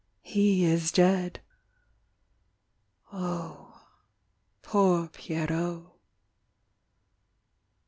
"He is dead." Oh, poor Pierrot.